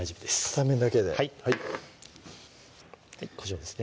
片面だけでこしょうですね